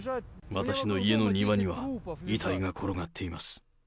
私の家の庭には遺体が転がっています。